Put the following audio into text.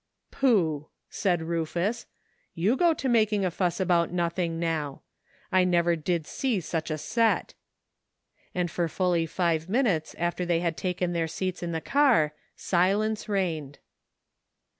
"Pooh!" said Rufus, "you go to making a fuss about nothing, now. I never did see such a set!" And for fully five minutes after they had taken their seats in the car silence reigned.